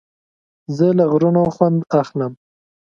زه له غرونو خوند اخلم.